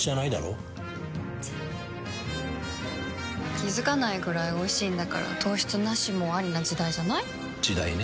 気付かないくらいおいしいんだから糖質ナシもアリな時代じゃない？時代ね。